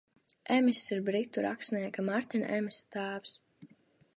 Emiss ir britu rakstnieka Martina Emisa tēvs.